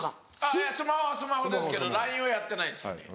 いやスマホはスマホですけどＬＩＮＥをやってないんです。